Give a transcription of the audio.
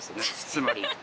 つまり。